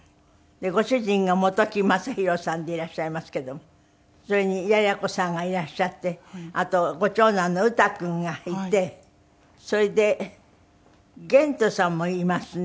ご主人が本木雅弘さんでいらっしゃいますけどもそれに也哉子さんがいらっしゃってあとご長男のＵＴＡ君がいてそれで玄兎さんもいますね。